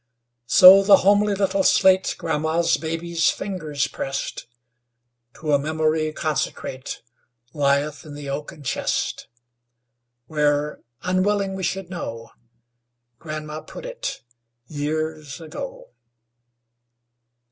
So the homely little slate Grandma's baby's fingers pressed, To a memory consecrate, Lieth in the oaken chest, Where, unwilling we should know, Grandma put it, years ago.